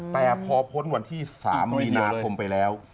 แต่พอพ้นวันที่๓มีนาคมไปแล้ว